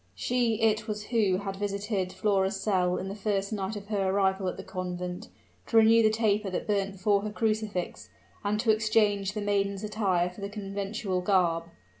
She it was who had visited Flora's cell the first night of her arrival at the convent, to renew the taper that burnt before her crucifix, and to exchange the maiden's attire for the conventual garb.